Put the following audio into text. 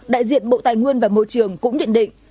đại diện bộ tài nguyên và môi trường cũng nhận định